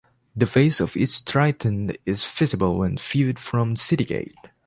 The face of each Triton is visible when viewed from City Gate.